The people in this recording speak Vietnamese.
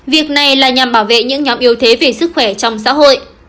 việc này là nhằm bảo vệ những nhóm yếu thế về sức khỏe trong xã hội